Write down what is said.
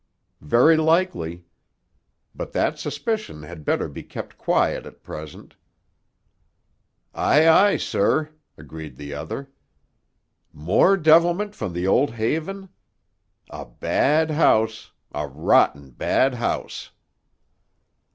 "Very likely. But that suspicion had better be kept quiet, at present." "Aye, aye, sir," agreed the other. "More devilment from the old Haven? A bad house—a rotten bad house!"